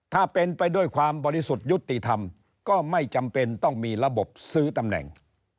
ถ้าเป็นไปด้วยความบริสุทธิ์ยุติธรรมก็ไม่จำเป็นต้องมีระบบซื้อตำแหน่ง